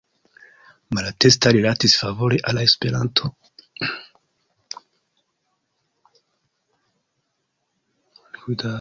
Malatesta rilatis favore al Esperanto.